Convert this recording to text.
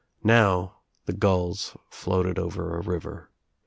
Now the gulls floated over a river.